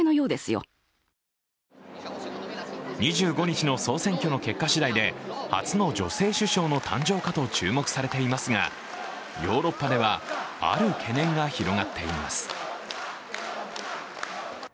２５日の総選挙の結果次第で初の女性首相の誕生かと注目されていますがヨーロッパでは、ある懸念が広がっています。